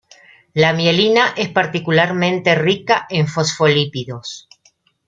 La mielina es particularmente rica en fosfolípidos.